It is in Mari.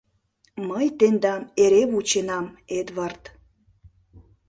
— Мый тендам эре вученам, Эдвард!..